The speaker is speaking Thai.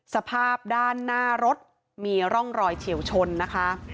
สภาพด้านหน้ารถมีร่องรอยเฉียวชนนะคะ